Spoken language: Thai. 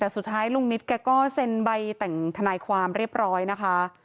แต่สุดท้ายลุงนิตแกก็เซ็นใบแต่งทนายความเรียบร้อยนะคะ